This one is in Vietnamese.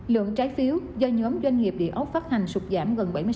lượng trái phiếu do nhóm doanh nghiệp địa ốc phát hành sụp giảm gần bảy mươi sáu